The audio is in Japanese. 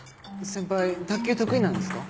先輩卓球得意なんですか？